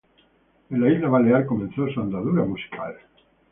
En la isla balear comenzó su andadura musical.